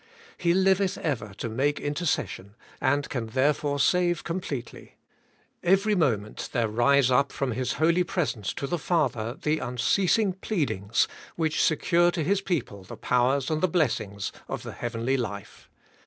He liveth ever to make intercession, and can therefore save com pletely. Every moment there rise up from His holy presence to the Father, the unceasing pleadings vrhich secure to His people the powers and the blessings of the heavenly life.